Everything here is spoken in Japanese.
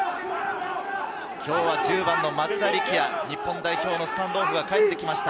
今日は１０番の松田力也、日本代表のスタンドオフが帰ってきました。